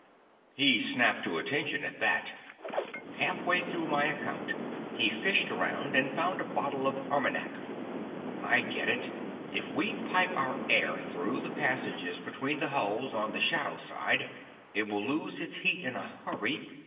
He snapped to attention at that. Half way through my account, he fished around and found a bottle of Armagnac. "I get it. If we pipe our air through the passages between the hulls on the shadow side, it will lose its heat in a hurry.